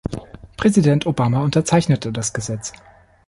Präsident Obama unterzeichnete das Gesetz.